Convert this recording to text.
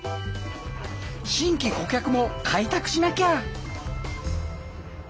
新規顧客も開拓しなきゃ。